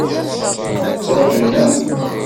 Ttrajun-aɣ.